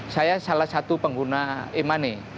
saya salah satu pengguna e money